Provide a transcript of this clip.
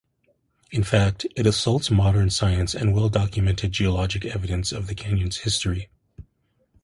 In fact, it assaults modern science and well-documented geologic evidence of the canyon's history.